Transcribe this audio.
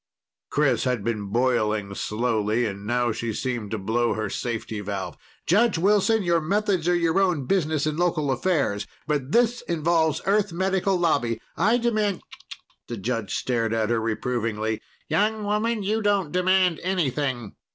Chris had been boiling slowly, and now she seemed to blow her safety valve. "Judge Wilson, your methods are your own business in local affairs. But this involves Earth Medical Lobby. I demand " "Tch, tch!" The judge stared at her reprovingly. "Young woman, you don't demand anything.